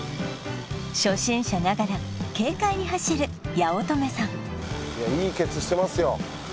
初心者ながら軽快に走る八乙女さんいやいいケツしてますよ